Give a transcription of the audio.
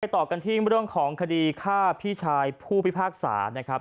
ต่อกันที่เรื่องของคดีฆ่าพี่ชายผู้พิพากษานะครับ